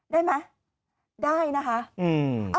ได้ไหมได้นะคะ